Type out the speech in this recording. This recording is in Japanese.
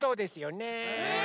ねえ。